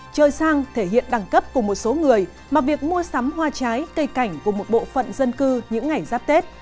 chơi sang thể hiện đẳng cấp của một số người mà việc mua sắm hoa trái cây cảnh của một bộ phận dân cư những ngày giáp tết